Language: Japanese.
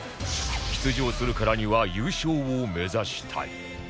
出場するからには優勝を目指したい